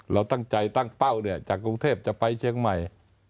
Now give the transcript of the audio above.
เราตั้งใจตั้งเป้าเนี่ยจากกรุงเทพจะไปเชียงใหม่